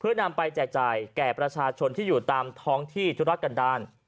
เพื่อนำไปแจกจ่ายแก่ประชาชนที่อยู่ตามท้องที่ธุรกันดาล